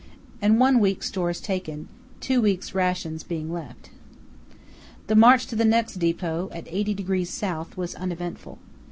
and one week's stores taken, two weeks' rations being left. The march to the next depot, at 80° S., was uneventful.